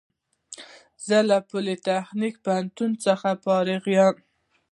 زه له پولیتخنیک پوهنتون څخه فارغ یم